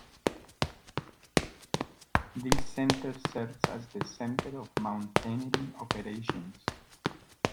This center serves as the center of mountaineering operations.